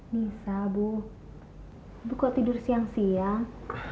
nisa bu ibu kok tidur siang siang